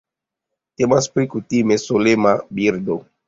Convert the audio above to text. Temas pri kutime solema birdo.